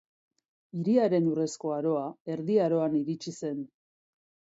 Hiriaren urrezko aroa Erdi Aroan iritsi zen.